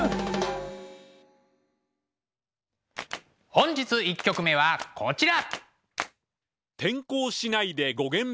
本日１曲目はこちら。